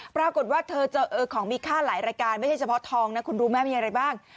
ปรากฏว่าเธอเจอของมีค่าหลายรายการไม่ใช่เฉพาะทองนะคุณรู้ไหมมีอะไรบ้าง